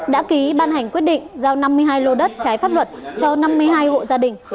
đã ký ban hành quyết định giao năm mươi hai lô đất trái pháp luật cho năm mươi hai hộ gia đình